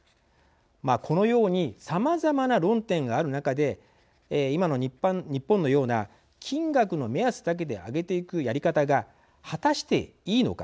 このようにさまざまな論点がある中で今の日本のような金額の目安だけで上げていくやり方が果たしていいのか。